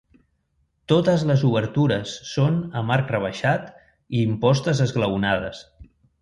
Totes les obertures són amb arc rebaixat i impostes esglaonades.